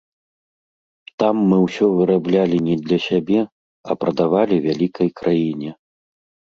Там мы ўсё выраблялі не для сябе, а прадавалі вялікай краіне.